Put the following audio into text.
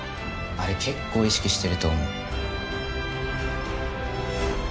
あれ結構意識してると思う。